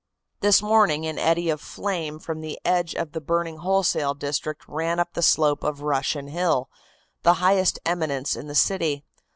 "This morning an eddy of flame from the edge of the burning wholesale district ran up the slope of Russian Hill, the highest eminence in the city.